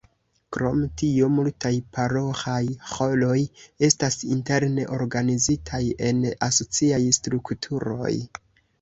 Krom tio multaj paroĥaj ĥoroj estas interne organizitaj en asociaj strukturoj.